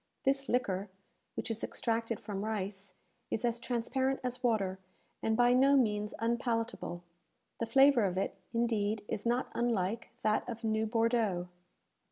This liquor, which is extracted from rice, is as transparent as water, and by no means unpalatable. The flavour of it, indeed, is not unlike that of new Bordeaux.